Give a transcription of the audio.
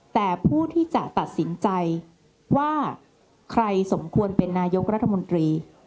แต่ผู้ที่จะตัดสินใจว่าใครสมควรเป็นนายกรัฐมนตรี